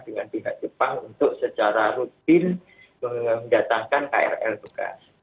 jangan diingat jepang untuk secara rutin mendatangkan krl bekas